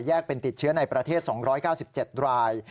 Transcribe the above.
เป็นติดเชื้อในประเทศ๒๙๗ราย